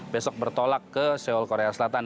besok bertolak ke seoul korea selatan